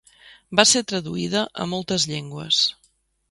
Va ser traduïda a moltes llengües.